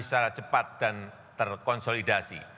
secara cepat dan terkonsolidasi